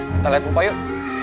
kita lewat rumah yuk